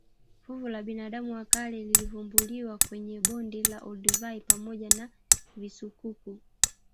Fuvu la binadamu wa kale lilivumbuliwa kwenye bonde la olduvai pamoja na visukuku